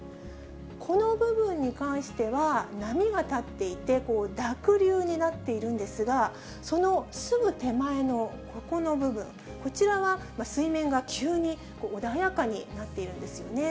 この部分に関しては波が立っていて、濁流になっているんですが、そのすぐ手前のここの部分、こちらは水面が急に穏やかになっているんですよね。